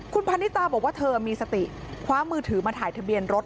คุณพันนิตาบอกว่าเธอมีสติคว้ามือถือมาถ่ายทะเบียนรถ